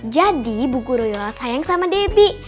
jadi ibu guruyola sayang sama debbie